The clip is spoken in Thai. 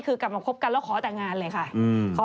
คือกลับมาคบกันแล้วขอแต่งงานเลยค่ะ